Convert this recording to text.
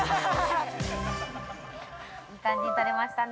いい感じに撮れましたね。